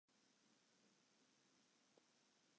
Je moatte it net om de romantyk dwaan.